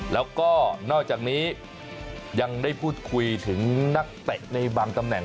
แล้วก็นอกจากนี้ยังได้พูดคุยถึงนักเตะในบางตำแหน่ง